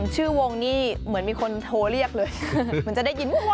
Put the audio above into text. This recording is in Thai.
ชื่อวงนี่เหมือนมีคนโทรเรียกเลยเหมือนจะได้ยินหัว